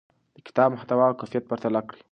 د کتاب محتوا او کیفیت پرتله کړئ.